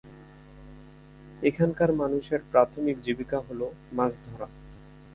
এখানকার মানুষের প্রাথমিক জীবিকা হল মাছ ধরা।